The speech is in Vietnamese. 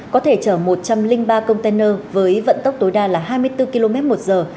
có thể chở một trăm linh ba container với vận tốc tối đa là hai mươi bốn km một giờ